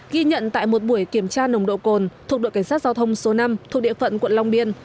ghi nhận tại một buổi kiểm tra nồng độ cồn thuộc đội cảnh sát giao thông số năm thuộc địa phận quận long biên